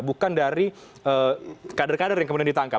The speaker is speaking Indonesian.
bukan dari kader kader yang kemudian ditangkap